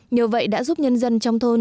nhờ vậy đã giúp nhân dân trong thôn